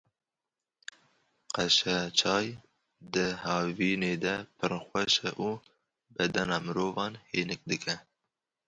Qeşeçay di havînê de pir xweş e û bedena mirovan hênik dike.